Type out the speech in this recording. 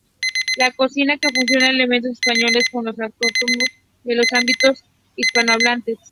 Es la cocina que fusiona elementos españoles con los autóctonos de los ámbitos hispanohablantes.